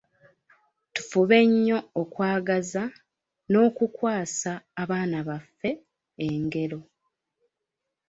Tufube nnyo okwagaza n'okukwasa abaana baffe engero.